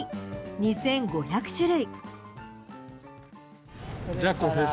２５００種類。